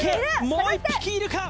もう１匹いるか？